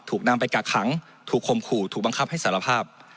ถูกนำไปกักขังถูกคมขู่ถูกบังคับให้สารภาพ